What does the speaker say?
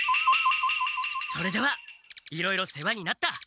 それではいろいろ世話になった！